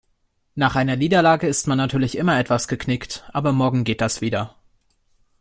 Nach einer Niederlage ist man natürlich immer etwas geknickt, aber morgen geht das wieder.